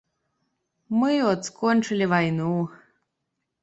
Мы от скончылі вайну.